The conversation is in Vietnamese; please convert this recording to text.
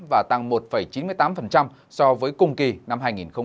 và tăng một chín mươi tám so với cùng kỳ năm hai nghìn một mươi tám